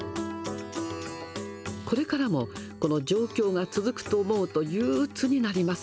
これからもこの状況が続くと思うと、憂うつになります。